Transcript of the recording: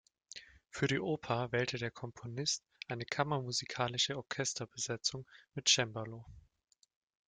Für die Oper wählte der Komponist eine kammermusikalische Orchesterbesetzung mit Cembalo.